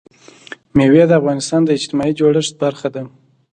مېوې د افغانستان د اجتماعي جوړښت برخه ده.